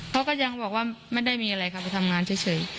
เขาก็ยังบอกว่าไม่ได้มีอะไรค่ะไปทำงานเฉย